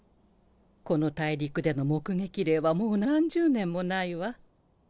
この大陸での目撃例はもう何十年もないわ。